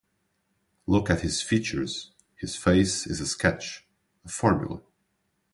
Look at his features: his face is a sketch, a formula.